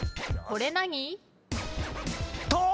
これ何？